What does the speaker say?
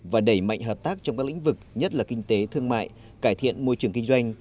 và đẩy mạnh hợp tác trong các lĩnh vực nhất là kinh tế thương mại cải thiện môi trường kinh doanh